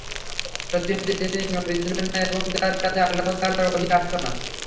সত্যি সত্যি তিনি নবী ছিলেন না এবং তার কাছে আল্লাহ তাআলার ওহী আসত না।